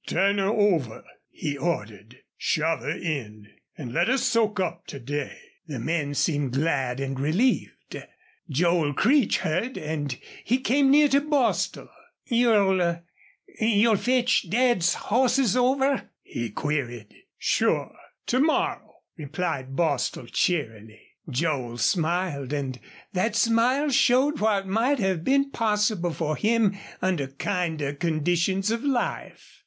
"Turn her over," he ordered. "Shove her in. An' let her soak up to day." The men seemed glad and relieved. Joel Creech heard and he came near to Bostil. "You'll you'll fetch Dad's hosses over?" he queried. "Sure. To morrow," replied Bostil, cheerily. Joel smiled, and that smile showed what might have been possible for him under kinder conditions of life.